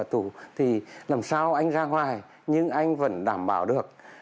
tù thì làm sao anh ra ngoài nhưng anh vẫn đảm bảo được